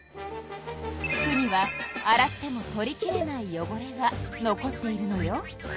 服には洗っても取りきれないよごれが残っているのよ。